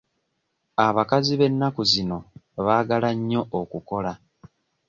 Abakazi b'ennaku zino baagala nnyo okukola.